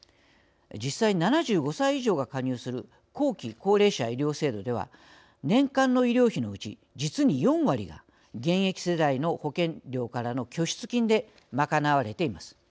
実際７５歳以上が加入する後期高齢者医療制度では年間医療費のうち、実に４割が現役世代の保険料からの拠出金で賄われています。